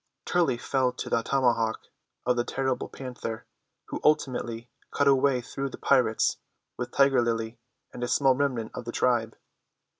Turley fell to the tomahawk of the terrible Panther, who ultimately cut a way through the pirates with Tiger Lily and a small remnant of the tribe.